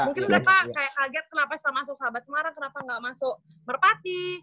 mungkin bapak kayak kaget kenapa setelah masuk sahabat semarang kenapa nggak masuk merpati